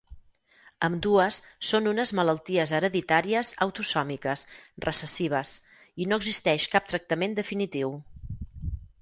Ambdues són unes malalties hereditàries autosòmiques recessives i no existeix cap tractament definitiu.